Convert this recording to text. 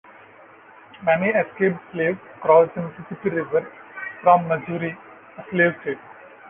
Many escaped slaves crossed the Mississippi River from Missouri, a slave state.